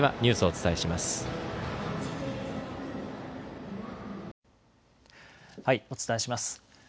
お伝えします。